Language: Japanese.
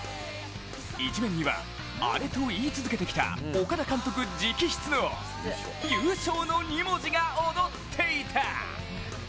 １面には、アレと言い続けてきた岡田監督直筆の「優勝」の２文字がおどっていた！